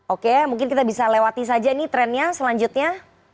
oke mungkin kita bisa lewati saja ini trennya selanjutnya